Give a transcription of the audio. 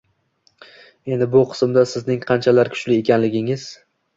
Endi bu qismda sizning qanchalar kuchli ekanliginiz